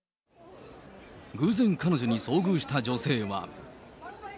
偶然彼女に遭遇した女性は。